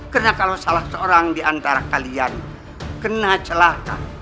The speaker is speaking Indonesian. karena kalau salah seorang di antara kalian kena celaka